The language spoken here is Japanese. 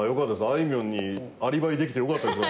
あいみょんにアリバイできてよかったです。